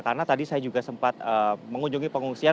karena tadi saya juga sempat mengunjungi pengungsian